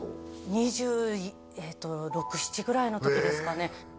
２６２７ぐらいの時ですかね